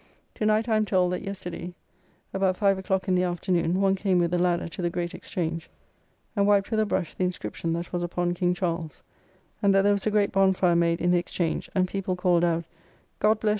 To night I am told, that yesterday, about five o'clock in the afternoon, one came with a ladder to the Great Exchange, and wiped with a brush the inscription that was upon King Charles, and that there was a great bonfire made in the Exchange, and people called out "God bless.